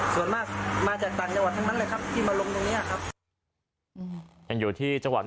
ส่วนมากมาจากต่างจังหวัดทั้งนั้นเลยครับที่มาลงตรงนี้ครับ